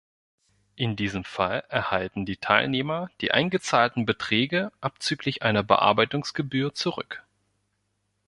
In diesem Fall erhalten die Teilnehmer die eingezahlten Beträge abzüglich einer Bearbeitungsgebühr zurück.